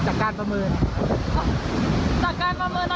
จากการประเมินตอนนี้ค่ะช้างมันยังอยู่ในระยะพักอยู่